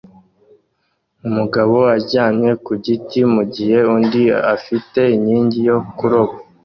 Umugabo aryamye ku giti mu gihe undi afite inkingi yo kuroba